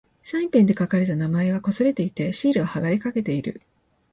サインペンで書かれた名前は掠れていて、シールは剥がれかけている。